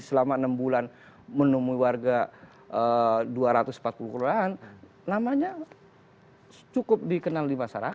selama enam bulan menemui warga dua ratus empat puluh kelurahan namanya cukup dikenal di masyarakat